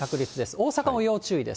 大阪も要注意です。